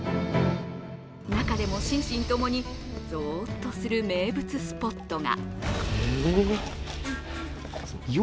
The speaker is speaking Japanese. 中でも心身共にぞーっとする名物スポットが。